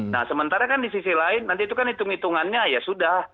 nah sementara kan di sisi lain nanti itu kan hitung hitungannya ya sudah